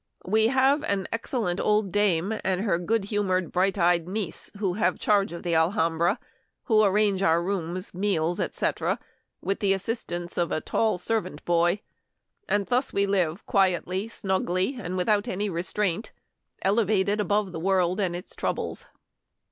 We have an excellent old dame, and her good humored, bright eyed niece, who have charge of the Alhambra, who arrange our rooms, meals, etc., with the assistance of a tall servant boy ; and thus we live, quietly, snugly, and without any restraint, elevated above the world and its troubles."